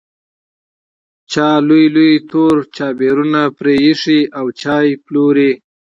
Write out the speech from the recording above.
چا لوی لوی تور چایبرونه پرې ایښي او چای پلوري.